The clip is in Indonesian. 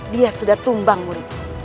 dia sudah tumbang murid